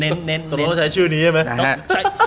ต้องใช้ชื่อนี้ใช่มั้ย